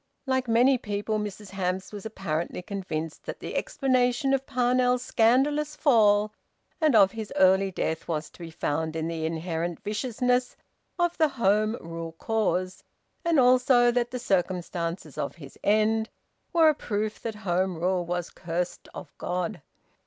Like many people Mrs Hamps was apparently convinced that the explanation of Parnell's scandalous fall and of his early death was to be found in the inherent viciousness of the Home Rule cause, and also that the circumstances of his end were a proof that Home Rule was cursed of God.